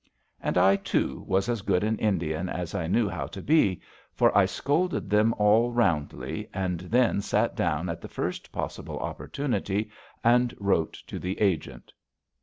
And I, too, was as good an Indian as I knew how to be, for I scolded them all roundly and then sat down at the first possible opportunity and wrote to the agent.